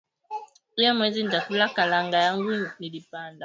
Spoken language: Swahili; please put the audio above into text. Iyi mwezi nita kula kalanga yangu nilipanda